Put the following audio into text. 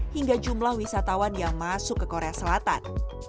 hingga jumlah wisatawan yang masuk ke korea selatan